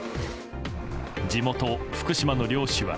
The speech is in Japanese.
地元・福島の漁師は。